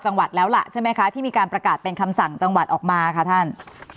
จังหวัดแล้วล่ะใช่ไหมคะที่มีการประกาศเป็นคำสั่งจังหวัดออกมาค่ะท่าน